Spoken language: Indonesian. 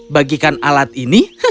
bagikan alat ini